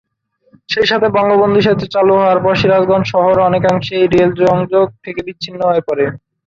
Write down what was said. সেই সাথে বঙ্গবন্ধু সেতু চালু হওয়ার পর সিরাজগঞ্জ শহর অনেকাংশেই রেল সংযোগ থকে বিচ্ছিন্ন হয়ে পড়ে।